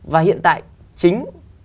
và hiện tại chính